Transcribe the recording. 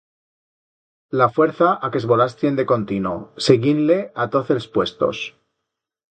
L'afuerza a que esvolastrien de contino, seguind-le a toz els puestos.